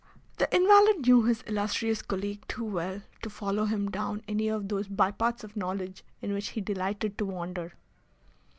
The invalid knew his illustrious colleague too well to follow him down any of those by paths of knowledge in which he delighted to wander.